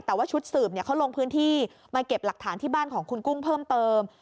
แต่ว่าชุดสืบเขาลงพื้นที่มาเก็บหลักฐานที่บ้านของคุณกุ้งเพิ่มเติม